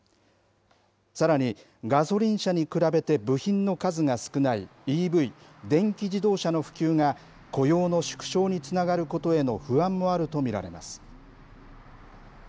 さらに、ガソリン車に比べて部品の数が少ないＥＶ・電気自動車の普及が、雇用の縮小につながることへの不安もあると見られます。